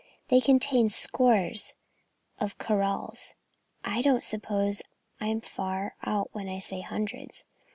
They contain scores of kraals I don't suppose I am far out when I say hundreds.